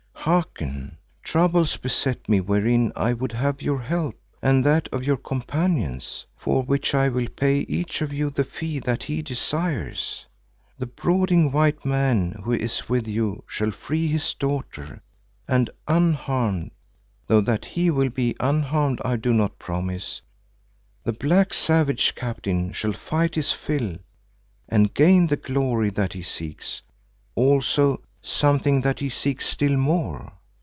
Hearken. Troubles beset me wherein I would have your help and that of your companions, for which I will pay each of you the fee that he desires. The brooding white man who is with you shall free his daughter and unharmed; though that he will be unharmed I do not promise. The black savage captain shall fight his fill and gain the glory that he seeks, also something that he seeks still more.